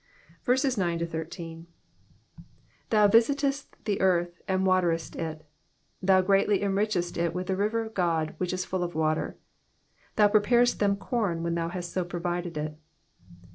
9 Thou visitest the earth, and waterest it : thou greatly en richest it with the river of God, wAicA is full of water : thou preparest them corn, when thou hast so provided for it.